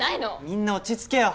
みんな落ち着けよ。